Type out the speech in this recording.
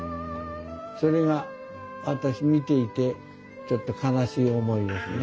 それが私見ていてちょっと悲しい思いですね。